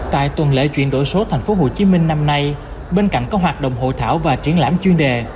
tại tuần lễ chuyển đổi số tp hcm năm nay bên cạnh các hoạt động hội thảo và triển lãm chuyên đề